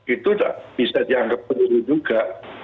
itu bisa dianggap peluru juga